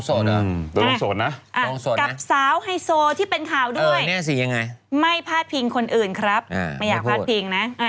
โดนโสดนะกับสาวไฮโซที่เป็นข่าวด้วยไม่พาดพิงคนอื่นครับไม่อยากพาดพิงนะ